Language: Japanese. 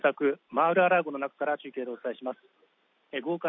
マール・ア・ラーゴの中から中継でお伝えします